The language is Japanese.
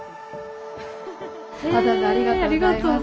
ありがとうございます。